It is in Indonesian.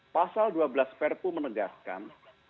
pasal dua belas perpu menegaskan